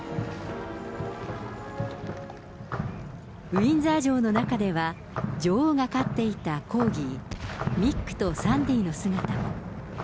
ウィンザー城の中では、女王が飼っていたコーギー、ミックとサンディの姿が。